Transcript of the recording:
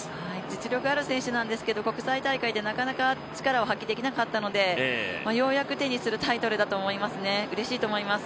実力ある選手なんですけど国際大会でなかなか力を発揮できなかったのでようやく手にするタイトルだと思いますねうれしいと思います。